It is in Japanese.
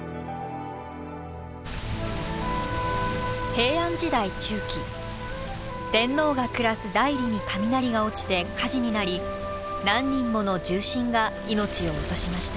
平安時代中期天皇が暮らす内裏に雷が落ちて火事になり何人もの重臣が命を落としました。